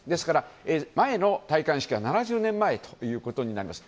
前の戴冠式は７０年前ということになります。